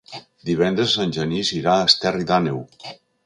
Divendres en Genís irà a Esterri d'Àneu.